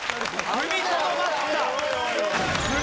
踏みとどまった！